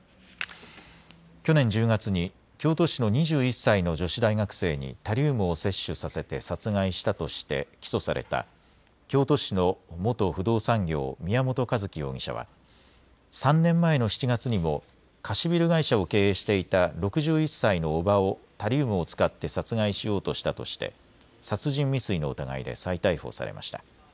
去年１０月に京都市の２１歳の女子大学生にタリウムを摂取させて殺害したとして起訴された京都市の元不動産業、宮本一希容疑者は３年前の７月にも貸しビル会社を経営していた６１歳の祖母をタリウムを使って殺害しようとしたとして殺人未遂の疑いで再逮捕されました。